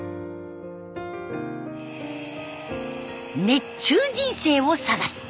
「熱中人生」を探す